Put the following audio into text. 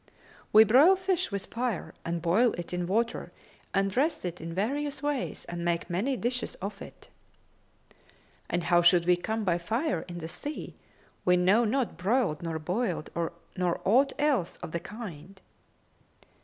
"We broil fish with fire and boil it in water and dress it in various ways and make many dishes of it." "And how should we come by fire in the sea? We know not broiled nor boiled nor aught else of the kind."